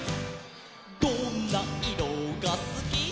「どんないろがすき」